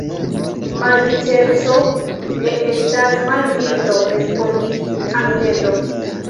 Malriĉeco ne estas malvirto, respondis Anneto.